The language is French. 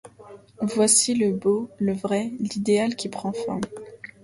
Voici le beau, le vrai, l'idéal qui prend. forme